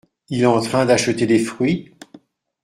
Il est en train d’acheter des fruits ?